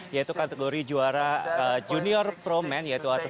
yaitu kategori juara junior pro men yaitu atas